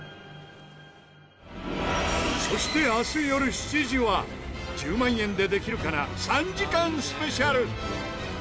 そして明日よる７時は『１０万円でできるかな』３時間スペシャル。